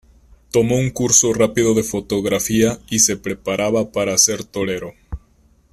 Tomó un curso rápido de fotografía y se preparaba para ser torero.